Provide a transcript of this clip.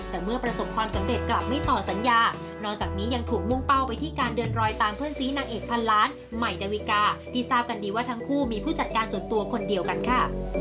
แต่เมื่อประสบความสำเร็จกลับไม่ต่อสัญญานอกจากนี้ยังถูกมุ่งเป้าไปที่การเดินรอยตามเพื่อนซีนางเอกพันล้านใหม่ดาวิกาที่ทราบกันดีว่าทั้งคู่มีผู้จัดการส่วนตัวคนเดียวกันค่ะ